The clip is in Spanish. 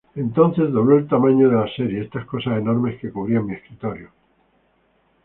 Entonces dobló el tamaño de la serie, estas cosas enormes que cubrían mi escritorio.